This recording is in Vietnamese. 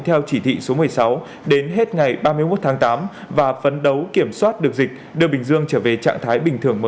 theo chỉ thị số một mươi sáu của thủ tướng chính phủ